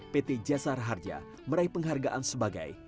pt jasar harja meraih penghargaan sebagai